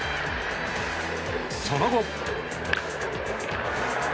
その後。